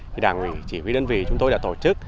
thì đảng ủy chỉ huy đơn vị chúng tôi đã tổ chức